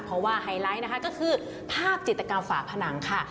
เพราะว่าไฮไลท์นะคะก็คือภาพจิตกรรมฝาผนังค่ะ